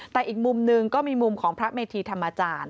แต่อีกมุมหนึ่งก็มีมุมของพระเมธีธรรมจารย์